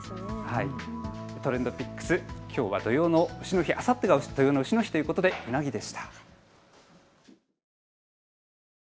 ＴｒｅｎｄＰｉｃｋｓ、きょうは、あさっては土用のうしの日ということでうなぎでした。